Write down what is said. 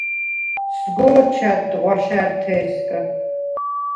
სგო̄ჩა̈დდ ღვაშა̈რთე̄ჲსგა.